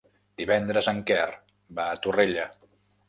Divendres en Quer va a Torrella.